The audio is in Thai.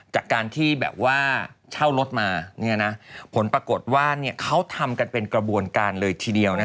จากการที่แบบว่าเช่ารถมาผลปรากฏว่าเขาทำกันเป็นกระบวนการเลยทีเดียว